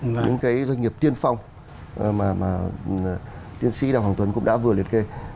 những cái doanh nghiệp tiên phong mà tiên sĩ đào hoàng tuấn cũng đã vừa liệt kê